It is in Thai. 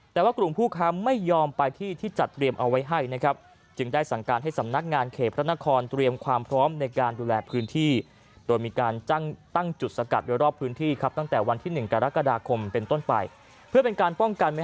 แต่ว่ากลุ่มผู้ค้าไม่ยอมไปที่ที่จัดเตรียมเอาไว้ให้นะครับจึงได้สั่งการให้สำนักงานเขตพระนครเตรียมความพร้อมในการดูแลพื้นที่โดยมีการตั้งตั้งจุดสกัดโดยรอบพื้นที่ครับตั้งแต่วันที่๑กรกฎาคมเป็นต้นไปเพื่อเป็นการป้องกันไม่